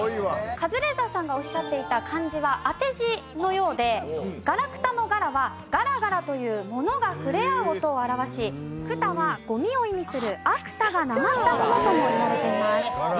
カズレーザーさんがおっしゃっていた漢字は当て字のようでガラクタの「ガラ」は「ガラガラ」というものが触れ合う音を表し「クタ」はゴミを意味する「芥」が訛ったものともいわれています。